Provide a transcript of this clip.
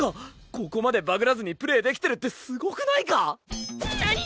ここまでバグらずにプレイできてるってすごくないか⁉何？